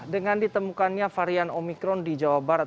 dengan ditemukannya varian omikron di jawa barat